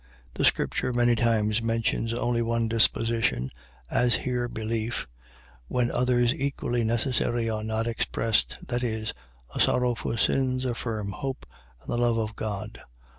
. .The scripture many times mentions only one disposition, as here belief, when others equally necessary are not expressed, viz., a sorrow for sins, a firm hope, and the love of God.